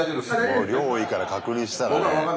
もう量多いから確認したらね